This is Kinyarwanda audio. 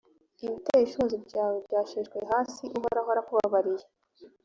ibiteye ishozi byawe byasheshwe hasi uhoraho arakubabariye